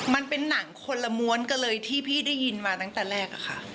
มันเป็นหนังคนละม้วนกันเลยที่พี่ได้ยินมาตั้งแต่แรกค่ะ